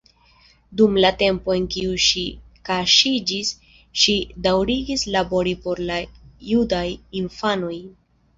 Dum la tempo en kiu ŝi kaŝiĝis, ŝi daŭrigis labori por la judaj infanoj.